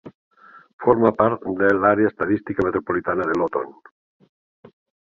Forma part de l'Àrea Estadística Metropolitana de Lawton.